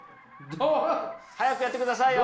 早くやってくださいよ。